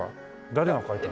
誰が描いた？